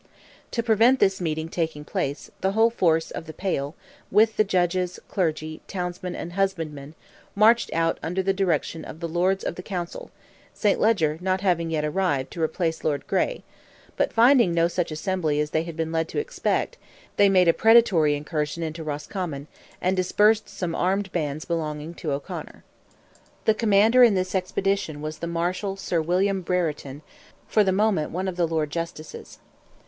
To prevent this meeting taking place, the whole force of the Pale, with the judges, clergy, townsmen and husbandmen, marched out under the direction of the Lords of the Council (St. Leger not having yet arrived to replace Lord Gray), but finding no such assembly as they had been led to expect, they made a predatory incursion into Roscommon, and dispersed some armed bands belonging to O'Conor. The commander in this expedition was the Marshal Sir William Brereton, for the moment one of the Lords Justices.